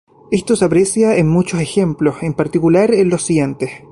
Esto se aprecia en muchos ejemplos; en particular, en los siguientes.